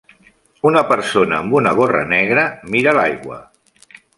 Una persona amb una gorra negra mira l'aigua.